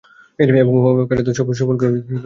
এবং উহা কার্যত সফল করিবার জন্য আমার জীবন সমর্পণ করিয়াছি।